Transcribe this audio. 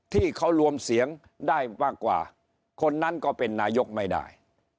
ที่เขารวมเสียงได้มากกว่าคนนั้นก็เป็นนายกไม่ได้